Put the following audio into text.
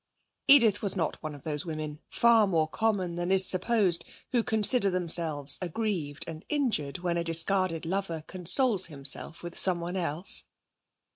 Edith was not one of those women, far more common than is supposed, who consider themselves aggrieved and injured when a discarded lover consoles himself with someone else.